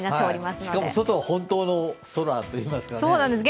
しかも、外は本当の空といいますかね。